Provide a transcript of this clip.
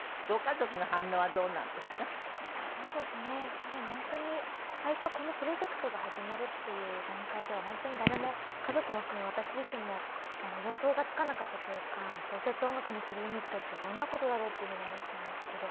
いやでも本当に最初このプロジェクトが始まるっていう段階では本当に誰も家族も含め私自身も予想がつかなかったというか小説を音楽にするユニットってどんな事だろうっていうふうに思ってたんですけど。